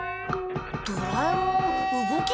ドラえもん動きが変。